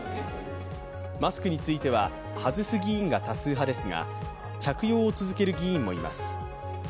マスクについては外す議員が多数派ですが着用を続ける議員もいます。